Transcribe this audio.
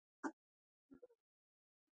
زغال د افغانستان د طبیعت برخه ده.